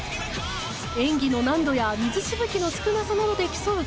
演技の難度や水しぶきの少なさなどで競う